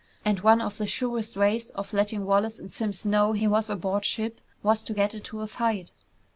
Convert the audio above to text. And one of the surest ways of letting Wallace and Simms know he was aboard ship was to get into a fight.